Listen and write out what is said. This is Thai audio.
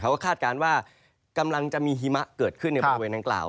คาดการณ์ว่ากำลังจะมีหิมะเกิดขึ้นในบริเวณดังกล่าว